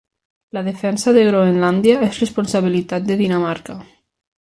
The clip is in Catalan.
La defensa de Groenlàndia és responsabilitat de Dinamarca.